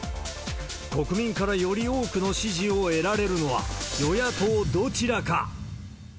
国民からより多くの支持を得られるのは、与野党どちらか？